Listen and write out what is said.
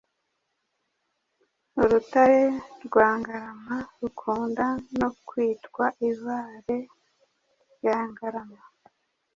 Urutare rwa Ngarama rukunda no kwitwa Ibare rya Ngarama